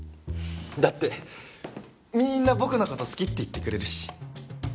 だってみんな僕の事好きって言ってくれるし。